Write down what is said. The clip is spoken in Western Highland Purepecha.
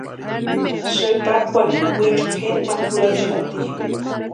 Sïpakwarhi wichu kʼeri ma jurhaxati.